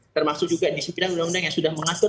termasuk juga disiplinan undang undang yang sudah mengatur